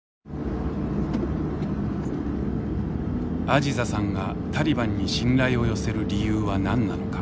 アジザさんがタリバンに信頼を寄せる理由は何なのか。